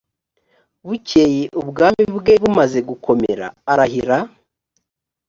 bukeye ubwami bwe bumaze gukomera arahira